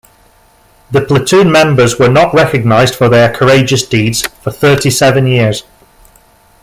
The platoon members were not recognized for their courageous deeds for thirty-seven years.